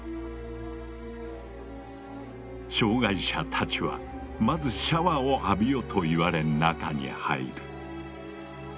障害者たちはまずシャワーを浴びよと言われ中に入る。